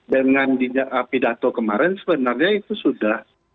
dengan pidato kemarin sebenarnya itu sudah